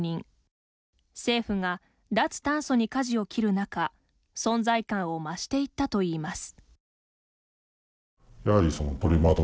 政府が脱炭素にかじを切る中存在感を増していったといいます。